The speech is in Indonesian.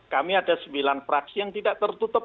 kami ada sembilan fraksi yang tidak tertutup